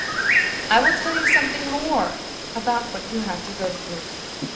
I will tell you something more about what you will have to go through.